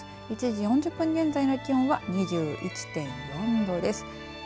１時４０分現在の気温は２１．４度です。